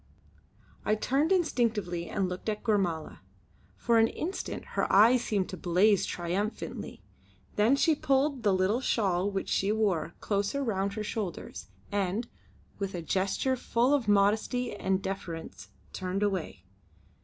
I turned instinctively and looked at Gormala. For an instant her eyes seemed to blaze triumphantly; then she pulled the little shawl which she wore closer round her shoulders and, with a gesture full of modesty and deference turned away.